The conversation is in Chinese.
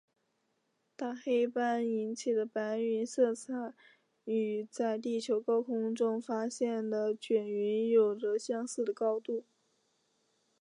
大黑斑引起的白色云彩与在地球的高空中发现的卷云有着相似的高度。